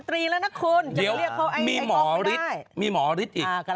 จะเรียกเขาไอ้กล้องก็ได้เดี๋ยวมีหมอฤทธิ์มีหมอฤทธิ์อีก